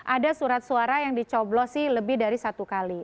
ada surat suara yang dicoblosi lebih dari satu kali